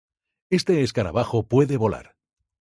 Este escarabajo puede volar.